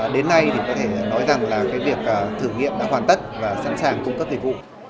đến nay thì có thể nói rằng là cái việc thử nghiệm đã hoàn tất và sẵn sàng cung cấp dịch vụ